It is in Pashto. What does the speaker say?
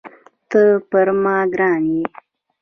ته پر ما ګران یې.